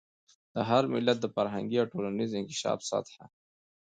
د هر ملت د فرهنګي او ټولنیز انکشاف سطح.